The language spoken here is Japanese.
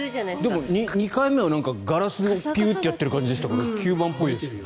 でも２回目はガラスをぴゅーっとやってる感じがしたから吸盤っぽいですけど。